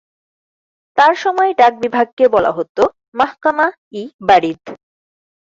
তার সময়ে ডাক বিভাগকে বলা হতো মাহকামা"-"ই"-"বারিদ।